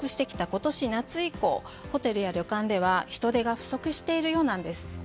今年夏以降ホテルや旅館では人手が不足しているようなんです。